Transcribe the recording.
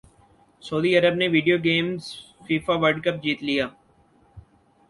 سعودی عرب نے video games FIFA World Cup جیت لیا